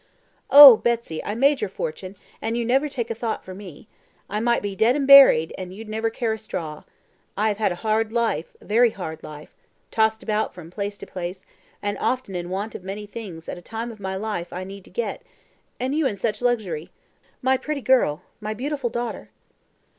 Oh, Betsy, I made your fortune, and you never take a thought for me. I might be dead and buried, and you'd never care a straw. I have had a hard life, a very hard life tossed about from place to place, and often in want of many things that at my time of life I need to get and you in such luxury. My pretty girl, my beautiful daughter!"